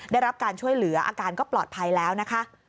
ได้รับการช่วยเหลืออาการก็ปลอดภัยแล้วนะคะ